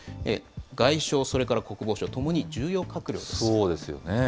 外相、それから国防相、ともに重そうですよね。